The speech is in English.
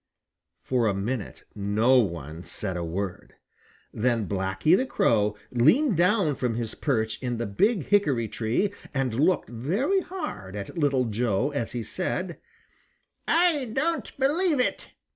For a minute no one said a word. Then Blacky the Crow leaned down from his perch in the Big Hickory tree and looked very hard at Little Joe as he said: "I don't believe it.